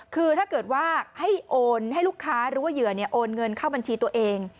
คือถ้าเกิดว่าให้โอนให้ลูกค้าหรือว่าเหยื่อโอนเงินเข้าบัญชีตัวเอง